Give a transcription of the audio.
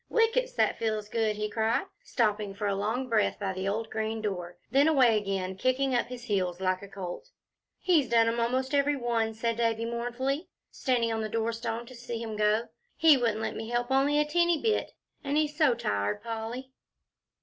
"Whickets! that feels good!" he cried, stopping for a long breath by the old green door; then away again, kicking up his heels like a colt. "He's done 'em almost every one," said Davie, mournfully, standing on the doorstone to see him go; "he wouldn't let me help only a teenty bit, and he's so tired, Polly."